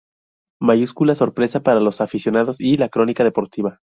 Mayúscula sorpresa para los aficionados y la crónica deportiva.